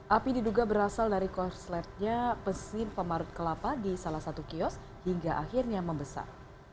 api diduga berasal dari korsletnya pesin pemarut kelapa di salah satu kios hingga akhirnya membesar